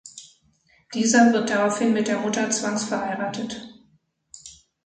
Dieser wird daraufhin mit der Mutter zwangsverheiratet.